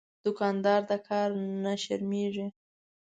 دوکاندار د کار نه شرمېږي.